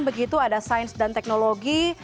begitu ada sains dan teknologi